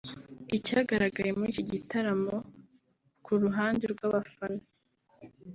Icyagaragaye muri iki gitaramo ku ruhande rw’abafana